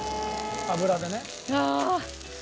油でね。